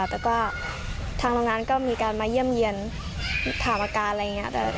แต่ก็ทางโรงงานก็มีการมาเยี่ยมเยี่ยนถามอาการอะไรอย่างนี้